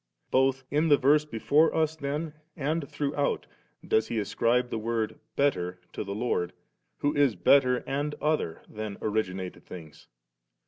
Both in the verse before us, then, and throughout, does he ascribe the word 'better* to the Lord, who is better and other than originated things.